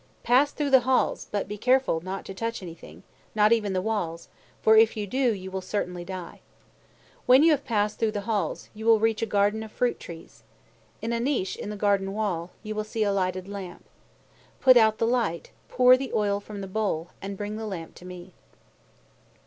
"Pass through the halls, but be careful to touch nothing, not even the walls, for if you do, you will certainly die. When you have passed through the halls, you will reach a garden of fruit trees. In a niche in the garden wall, you will see a lighted lamp. Put out the light, pour the oil from the bowl, and bring the lamp to me."